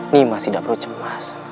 nimas tidak perlu cemas